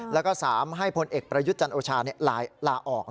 แล้วก็๓ให้พลเอกประยุทธ์จันโอชาลาออก